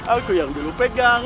aku yang dulu pegang